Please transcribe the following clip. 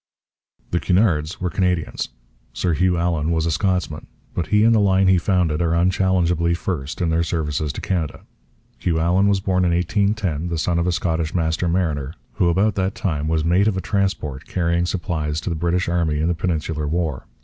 The Cunards were Canadians. Sir Hugh Allan was a Scotsman. But he and the line he founded are unchallengeably first in their services to Canada. Hugh Allan was born in 1810, the son of a Scottish master mariner who about that time was mate of a transport carrying supplies to the British Army in the Peninsular War.